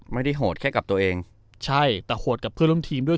ไม่ได้โหดแค่กับตัวเองใช่แต่โหดกับเพื่อนร่วมทีมด้วย